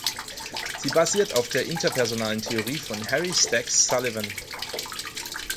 Sie basiert auf der Interpersonalen Theorie von Harry Stack Sullivan.